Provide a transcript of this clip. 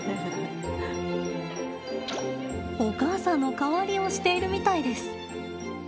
お母さんの代わりをしているみたいです。